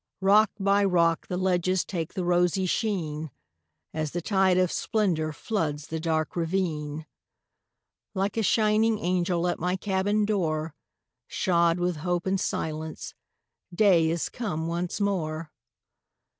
Rock by rock the ledges Take the rosy sheen, As the tide of splendor Floods the dark ravine. Like a shining angel At my cabin door, Shod with hope and silence, Day is come once more.